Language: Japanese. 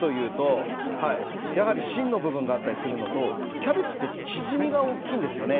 やはり芯の部分があったりするのとキャベツは縮みが大きいんですね。